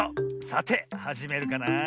さてはじめるかなあ。